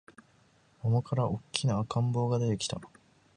桃から大きな赤ん坊が出てきた